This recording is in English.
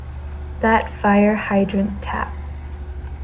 That fire hydrant tap